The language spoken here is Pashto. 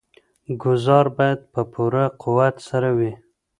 ګوزار باید په پوره قوت سره وي.